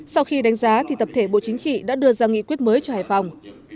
sau khi đánh giá thì tập thể bộ chính trị đã đưa ra nghị quyết mới cho hải phòng